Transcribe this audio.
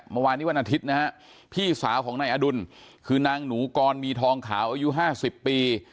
เมื่อวานนี้วันอาทิตย์นะฮะพี่สาวของนายอดุลคือนางหนูกรมีทองขาวอายุ๕๐ปี